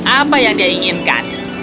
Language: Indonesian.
apa yang dia inginkan